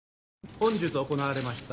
本日行われました